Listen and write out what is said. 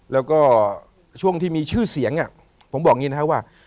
แล้วก็ช่วงที่มีชื่อเสียงอ่ะผมบอกงี้นะค่ะว่า